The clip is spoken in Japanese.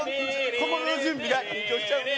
心の準備が緊張しちゃうね